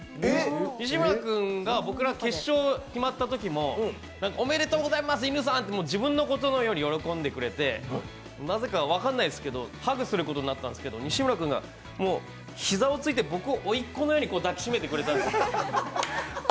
西村君が僕ら、決勝決まったときもおめでとうございます、いぬさんって自分のことのように喜んでくれてなぜか分からないですけどハグすることになったんですけど西村君が膝をついて、僕を甥っ子のように抱き締めてくれたんです。